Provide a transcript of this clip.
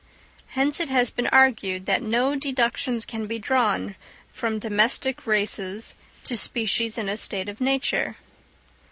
Hence it has been argued that no deductions can be drawn from domestic races to species in a state of nature.